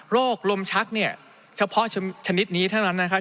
โรคลมชักเนี่ยเฉพาะชนิดนี้เท่านั้นนะครับ